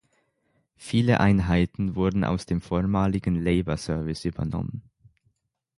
Viele Einheiten wurden aus dem vormaligen Labour Service übernommen.